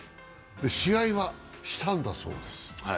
試合はしたんだそうです。